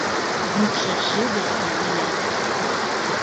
Йӱкшӧ шыде да виян.